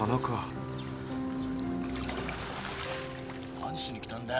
何しに来たんだよ